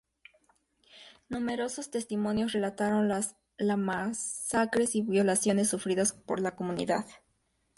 Numerosos testimonios relataron las masacres y violaciones sufridas por la comunidad.